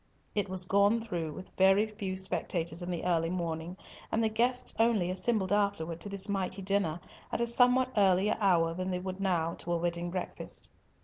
It was gone through with very few spectators in the early morning, and the guests only assembled afterwards to this mighty dinner at a somewhat earlier hour than they would now to a wedding breakfast.